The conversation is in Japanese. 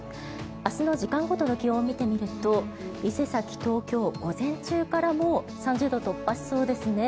明日の時間ごとの気温を見てみると伊勢崎、東京午前中からもう３０度を突破しそうですね。